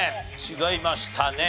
違いましたね。